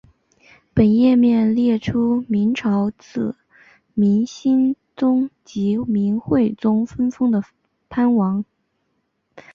本页面列出明朝自明兴宗及明惠宗分封的藩王。